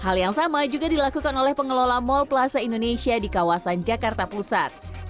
hal yang sama juga dilakukan oleh pengelola mall plaza indonesia di kawasan jakarta pusat